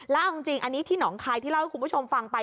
แล้วเอาจริงอันนี้ที่หนองคายที่เล่าให้คุณผู้ชมฟังไป